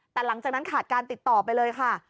แต่หลังจากนั้นขาดการติดต่อไปเลยค่ะ